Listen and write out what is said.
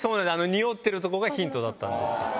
におってるとこがヒントだったんですよ。